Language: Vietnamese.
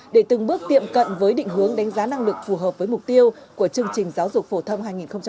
để từng bước tiệm cận với định hướng đánh giá năng lực phù hợp với mục tiêu của chương trình giáo dục phổ thông hai nghìn một mươi tám